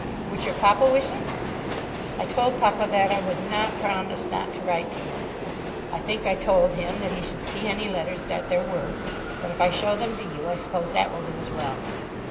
"Would your papa wish it?" "I told papa that I would not promise not to write to him. I think I told him that he should see any letters that there were. But if I show them to you, I suppose that will do as well."